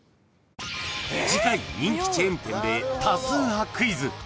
［次回人気チェーン店で多数派クイズ］